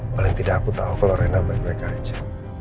paling tidak aku tahu kalau reina main baik aja